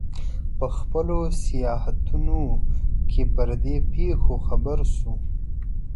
په خپلو سیاحتونو کې پر دې پېښو خبر شو.